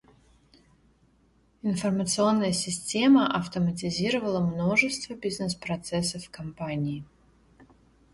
Информационная система автоматизировала множество бизнес-процессов в компании.